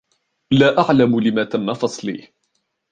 لا أعلم لم تمّ فصلي.